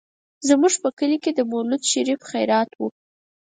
زموږ په کلي کې د مولود شريف خيرات و.